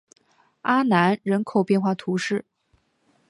阿南人口变化图示